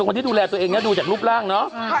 คนที่ดูแลตัวเองนะดูจากรูปร่างเนาะ